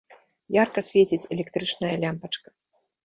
Ярка свеціць электрычная лямпачка.